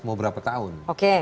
mau berapa tahun